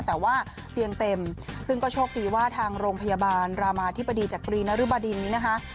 แต่ว่าเตียงเต็มซึ่งก็โชคดีว่าทางโรงพยาบาลรามาธิบดีจักรีนรุบดินนี้นะคะ